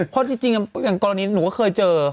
พอจริงอย่างก็กรณีนี้หนูก็เคยเจอ